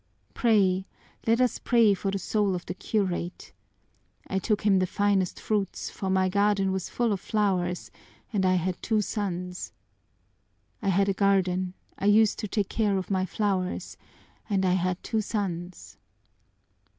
Pray, let us pray for the soul of the curate! I took him the finest fruits, for my garden was full of flowers and I had two sons! I had a garden, I used to take care of my flowers, and I had two sons!"